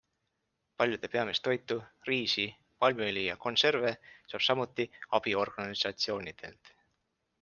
Paljude peamist toitu - riisi, palmiõli ja konserve - saab samuti abiorganisatsioonidelt.